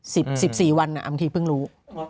สิบสิบสี่วันอ่ะบางทีเพิ่งรู้